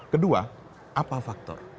kedua apa faktor